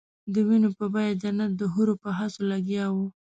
د وینو په بیه جنت د حورو په هڅو لګیا وو.